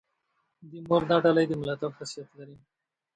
د مور دا ډالۍ د ملاتړ حیثیت لري.